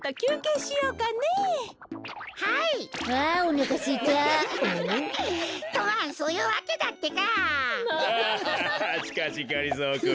しかしがりぞーくん